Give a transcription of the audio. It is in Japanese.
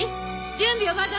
準備はまだ？